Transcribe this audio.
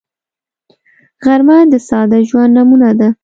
غرمه د ساده ژوند نمونه ده